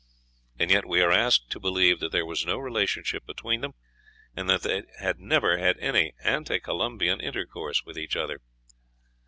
And yet we are asked to believe that there was no relationship between them, and that they had never had any ante Columbian intercourse with each other.